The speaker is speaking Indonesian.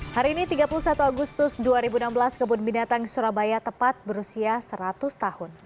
hari ini tiga puluh satu agustus dua ribu enam belas kebun binatang surabaya tepat berusia seratus tahun